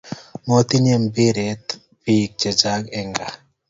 Motinye mbiret pik che chang en kaa